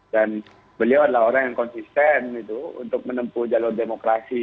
dan beliau adalah orang yang konsisten untuk menempuh jalur demokrasi